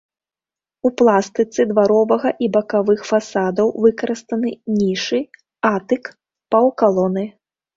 У пластыцы дваровага і бакавых фасадаў выкарыстаны нішы, атык, паўкалоны.